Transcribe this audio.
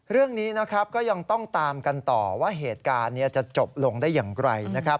เรื่องนี้นะครับก็ยังต้องตามกันต่อว่าเหตุการณ์จะจบลงได้อย่างไรนะครับ